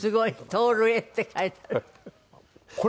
「徹へ」って書いてある。